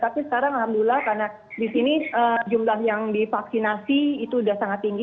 tapi sekarang alhamdulillah karena disini jumlah yang divaksinasi itu udah sangat tinggi